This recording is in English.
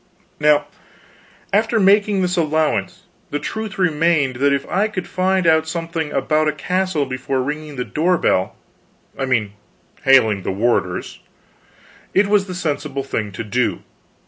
Now after making this allowance, the truth remained that if I could find out something about a castle before ringing the door bell I mean hailing the warders it was the sensible thing to do.